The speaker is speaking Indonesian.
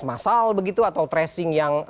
masal begitu atau tracing yang